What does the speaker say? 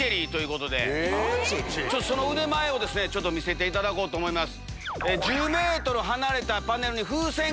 その腕前を見せていただこうと思います。